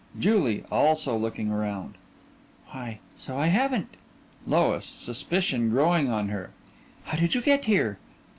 JULIE: (Also looking around) Why, so I haven't. LOIS: (Suspicion growing on her) How did you get here?